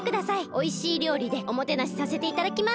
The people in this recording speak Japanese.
おいしいりょうりでおもてなしさせていただきます。